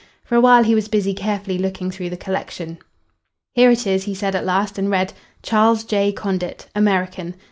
For awhile he was busy carefully looking through the collection. "Here it is," he said at last and read: "Charles J. Condit. American. No.